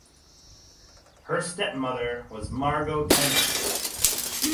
Her stepmother was Margot Tennant.